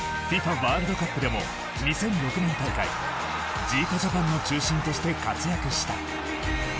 ワールドカップでも２００６年大会ジーコジャパンの中心として活躍した。